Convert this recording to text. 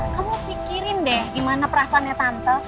kamu pikirin deh gimana perasaannya tante